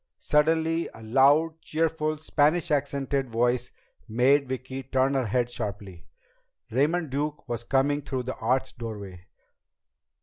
Suddenly a loud, cheerful Spanish accented voice made Vicki turn her head sharply. Raymond Duke was coming through the arched doorway.